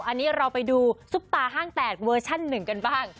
อันนี้เราไปดูซุปตาห้างแตกเวอร์ชัน๑กันบ้าง